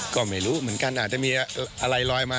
ก็ไม่รู้เหมือนกันอาจจะมีอะไรลอยมา